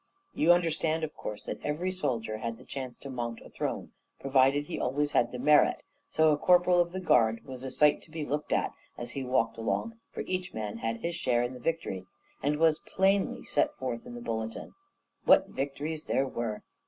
You understand, of course, that every soldier had the chance to mount a throne, provided always he had the merit; so a corporal of the Guard was a sight to be looked at as he walked along, for each man had his share in the victory, and 'twas plainly set forth in the bulletin. What victories they were!